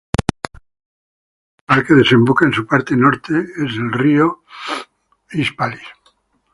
El río principal que desemboca en su parte norte es el río Connecticut.